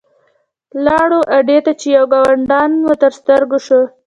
لاړو اډې ته چې یو ګاډیوان مو تر سترګو شو.